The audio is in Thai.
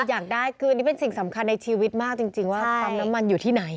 อยากได้คืออันนี้เป็นสิ่งสำคัญในชีวิตมากจริงว่าปั๊มน้ำมันอยู่ที่ไหน